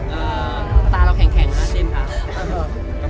ตาเราแข็งครับเจมส์ครับ